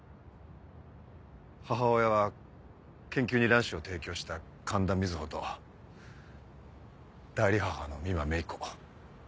母親は研究に卵子を提供した神田水帆と代理母の美馬芽衣子。